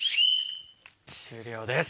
終了です。